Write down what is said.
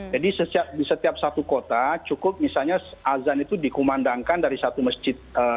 di setiap satu kota cukup misalnya azan itu dikumandangkan dari satu masjid